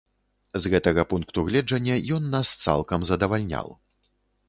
З гэтага пункту гледжання ён нас цалкам задавальняў.